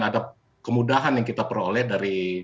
ada kemudahan yang kita peroleh dari